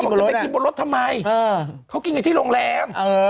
เขาบอกจะไปกินบนรถทำไมเขากินอย่างที่โรงแรง